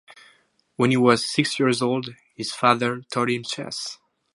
When he was six years old, his father taught him chess.